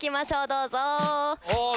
どうぞ。